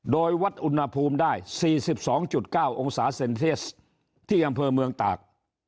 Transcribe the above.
โดยวัดอุณหภูมิได้สี่สิบสองจุดเก้าองศาเซ็นเทียสที่อำเภอเมืองตาก